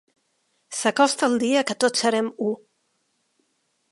S'acosta el dia que tots serem u.